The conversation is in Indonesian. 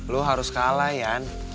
lu harus kalah yan